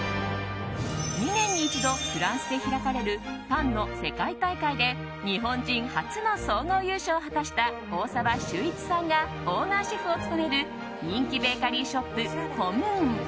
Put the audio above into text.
２年に一度、フランスで開かれるパンの世界大会で日本人初の総合優勝を果たした大澤秀一さんがオーナーシェフを務める人気ベーカリーショップコム・ン。